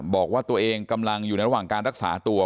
บอกว่าตัวเองกำลังอยู่ในระหว่างการรักษาตัว